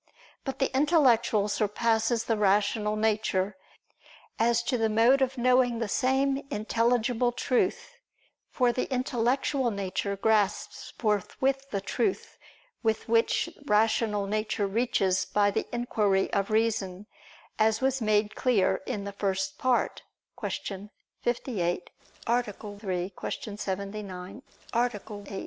But the intellectual surpasses the rational nature, as to the mode of knowing the same intelligible truth: for the intellectual nature grasps forthwith the truth which the rational nature reaches by the inquiry of reason, as was made clear in the First Part (Q. 58, A. 3; Q. 79, A. 8).